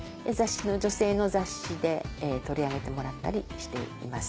女性の雑誌で取り上げてもらったりしています。